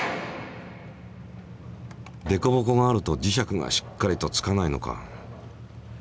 でこぼこがあると磁石がしっかりとつかないのか。